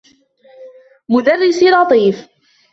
مدرّسي لطيف.